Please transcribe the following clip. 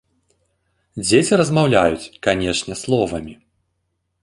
Дзеці размаўляюць, канешне, словамі.